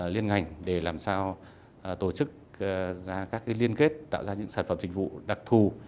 liên ngành để làm sao tổ chức ra các liên kết tạo ra những sản phẩm dịch vụ đặc thù